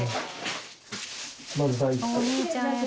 お兄ちゃん偉い。